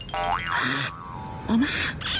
หล่อมาก